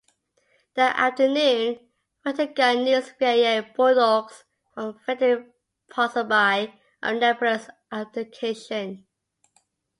That afternoon, Wellington got news via Bordeaux from Frederick Ponsonby of Napoleon's abdication.